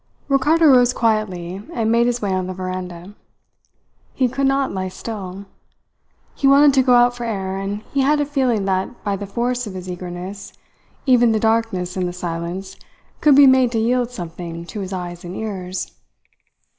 Ricardo rose quietly, and made his way on the veranda. He could not lie still. He wanted to go out for air, and he had a feeling that by the force of his eagerness even the darkness and the silence could be made to yield something to his eyes and ears.